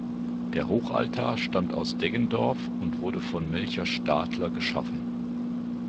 Der Hochaltar stammt aus Deggendorf und wurde von Melchior Stadler geschaffen.